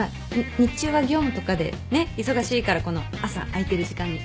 日中は業務とかでね忙しいからこの朝空いてる時間に。